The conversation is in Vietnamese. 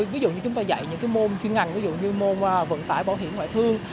ví dụ như chúng ta dạy những môn chuyên ngành ví dụ như môn vận tải bảo hiểm ngoại thương